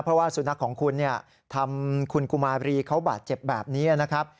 เพราะว่าสุนัขของคุณเนี่ยทำคุณกุมารีเขาบาดเจ็บแบบนี้นะครับ